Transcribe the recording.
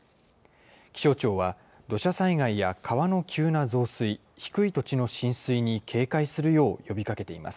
気象庁は、土砂災害や川の急な増水、低い土地の浸水に警戒するよう呼びかけています。